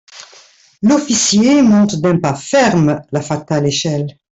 L'officier monte d'un pas ferme la fatale échelle.